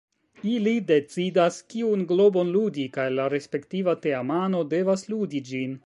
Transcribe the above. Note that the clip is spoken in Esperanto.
Ili decidas kiun globon ludi kaj la respektiva teamano devas ludi ĝin.